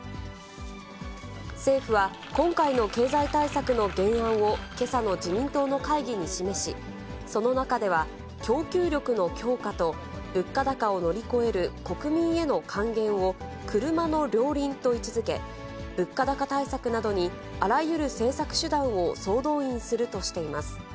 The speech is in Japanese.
政府は、今回の経済対策の原案をけさの自民党の会議に示し、その中では、供給力の強化と物価高を乗り越える国民への還元を車の両輪と位置づけ、物価高対策などにあらゆる政策手段を総動員するとしています。